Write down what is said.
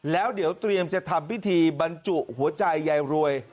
แล้วเดี๋ยวเตรียมจะทำพิธีบรรจุหัวใจยายรวย